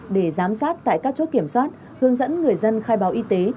để giám sát tại các chốt kiểm soát hướng dẫn người dân khai báo y tế